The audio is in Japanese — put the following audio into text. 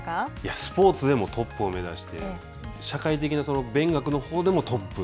スポーツでもトップを目指して、社会的な勉学のほうでもトップ。